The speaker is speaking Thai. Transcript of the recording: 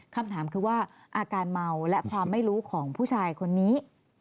คำถามคือว่าอาการเมาและความไม่รู้ของผู้ชายคนนี้